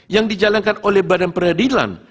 yang dijalankan oleh badan peradilan